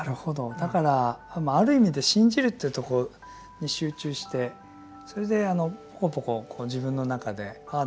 だからまあある意味で信じるというところに集中してそれでポコポコ自分の中でああだ